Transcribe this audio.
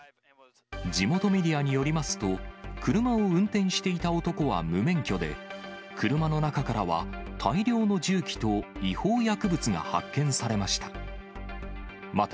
地元メディアによりますと、車を運転していた男は無免許で、車の中からは大量の銃器と違法薬物が発見されました。